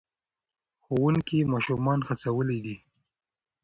ښوونکي ماشومان هڅولي دي.